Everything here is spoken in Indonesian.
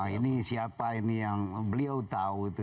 ini siapa ini yang beliau tahu itu